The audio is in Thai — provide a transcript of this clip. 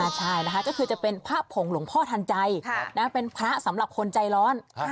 ใช่นะคะก็คือจะเป็นพระผงหลวงพ่อทันใจเป็นพระสำหรับคนใจร้อน